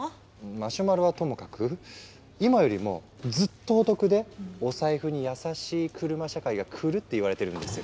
マシュマロはともかく今よりもずっとお得でお財布に優しい車社会が来るっていわれてるんですよ。